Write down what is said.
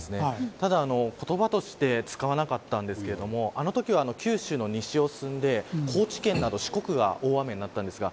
ただ、言葉として使わなかったのですがあのときは九州の西を進んで高知県など四国が大雨となりました。